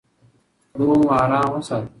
روح مو ارام وساتئ.